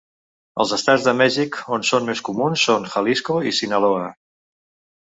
Els estats de Mèxic on són més comuns són Jalisco i Sinaloa.